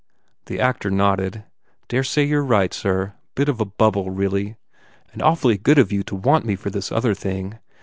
The actor nodded. "Dare say you re right, sir. Bit of a bubble, really. And awfully good of you to want me for this other thing.